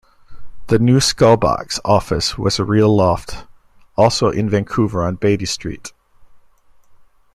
The new Skullbocks office was a real loft, also in Vancouver, on Beatty Street.